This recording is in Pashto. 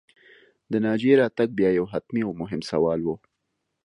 د ناجيې راتګ بیا یو حتمي او مهم سوال و